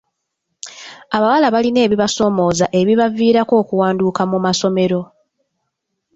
Abawala balina ebibasoomooza ebibaviirako okuwanduka mu masomero.